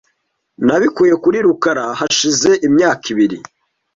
Nabikuye kuri rukara hashize imyaka ibiri .